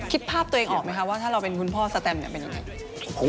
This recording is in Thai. คิดภาพตัวเองออกไหมคะว่าถ้าเราเป็นคุณพ่อสแตมเนี่ยเป็นยังไง